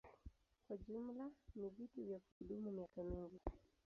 Kwa jumla ni vitu vya kudumu miaka mingi.